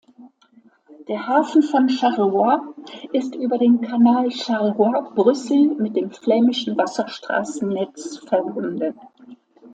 Der Hafen von Charleroi ist über den Kanal Charleroi-Brüssel mit dem flämischen Wasserstraßennetz verbunden.